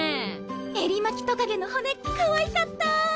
エリマキトカゲの骨かわいかった！